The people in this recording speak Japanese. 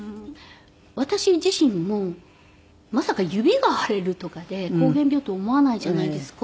私自身もまさか指が腫れるとかで膠原病って思わないじゃないですか。